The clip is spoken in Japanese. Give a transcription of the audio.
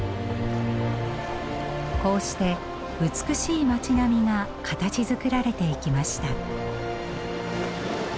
こうして美しい町並みが形づくられていきました。